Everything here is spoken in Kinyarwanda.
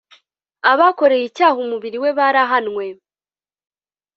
abakoreye icyaha umubiri we barahanwe